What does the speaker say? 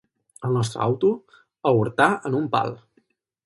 El nostre auto aürtà en un pal.